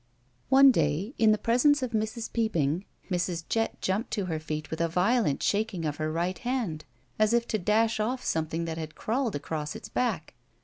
One day, in the presence of Mrs. Peopping, Mrs. Jett jiunped to her feet with a violent shaking of her right hand, as if to dash off something that had crawled across its back.